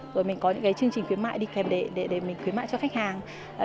rồi mình có những cái chương trình khuyến mại đi kèm để mình khuyến mại cho khách hàng